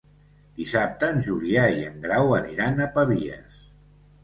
Dissabte en Julià i en Grau aniran a Pavies.